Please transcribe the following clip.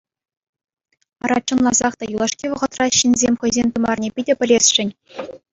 Ара, чӑнласах та юлашки вӑхӑтра ҫынсем хӑйсен тымарне питӗ пӗлесшӗн.